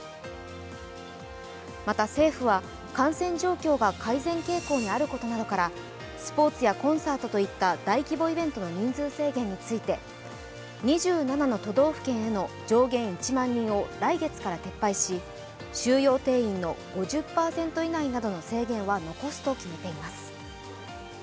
また政府は感染状況が改善傾向にあることからスポーツやコンサートといった大規模イベントの人数制限について２７の都道府県への上限１万人を来月から撤廃し、収容定員の５０％以内などの制限は残すと決めています。